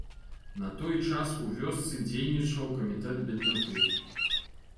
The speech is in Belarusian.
На той час у вёсцы дзейнічаў камітэт беднаты.